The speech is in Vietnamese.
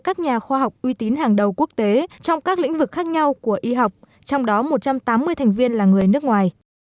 các nhà khoa học uy tín hàng đầu quốc tế trong các lĩnh vực khác nhau của y học trong đó một trăm tám mươi thành viên là người nước ngoài